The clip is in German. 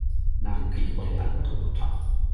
Nach dem Krieg wurde er Anwalt und Notar.